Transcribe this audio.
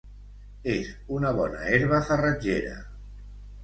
És una bona herba farratgera.